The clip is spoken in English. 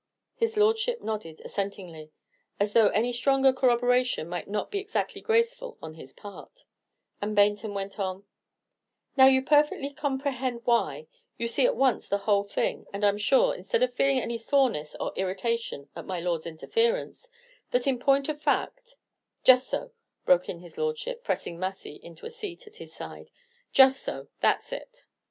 His Lordship nodded assentingly, as though any stronger corroboration might not be exactly graceful on his part, and Baynton went on: "Now you perfectly comprehend why, you see at once the whole thing; and I 'm sure, instead of feeling any soreness or irritation at my lord's interference, that in point of fact " "Just so," broke in his Lordship, pressing Massy into a seat at his side, "just so; that's it!"